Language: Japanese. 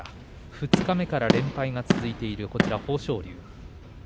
二日目から連敗が続いている豊昇龍。